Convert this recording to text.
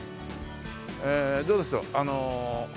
どうでしょう。